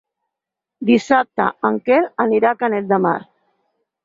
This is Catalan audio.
Dissabte en Quel anirà a Canet de Mar.